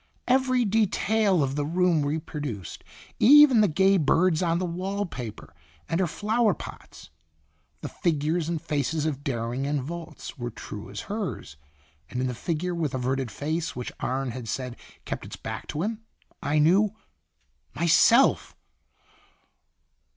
Every de tail of the room reproduced, even the gay birds on the wall paper, and her flower pots. The figures and faces of Dering and Volz were true as hers, and in the figure with averted face which Arne had said kept its back to him, I knew myself!